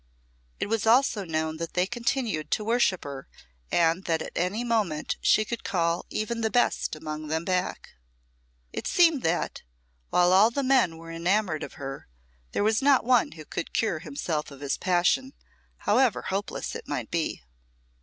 It was also known that they continued to worship her, and that at any moment she could call even the best among them back. It seemed that, while all the men were enamoured of her, there was not one who could cure himself of his passion, however hopeless it might be.